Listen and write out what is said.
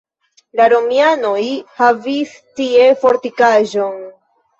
La romianoj havis tie fortikaĵon.